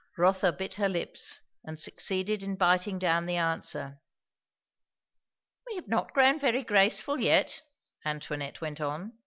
Rotha bit her lips and succeeded in biting down the answer. "We have not grown very graceful yet," Antoinette went on.